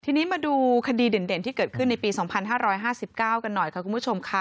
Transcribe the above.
ทีนี้มาดูคดีเด่นที่เกิดขึ้นในปี๒๕๕๙กันหน่อยค่ะคุณผู้ชมค่ะ